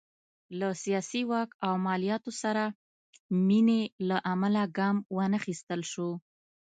له سیاسي واک او مالیاتو سره مینې له امله ګام وانخیستل شو.